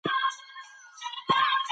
د نشه يي توکو مخنيوی يې کاوه.